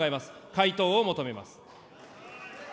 回答を求めます。